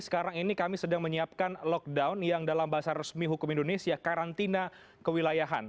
sekarang ini kami sedang menyiapkan lockdown yang dalam bahasa resmi hukum indonesia karantina kewilayahan